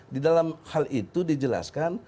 di dalam hal itu dijelaskan